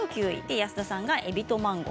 安田さんが、えびとマンゴー。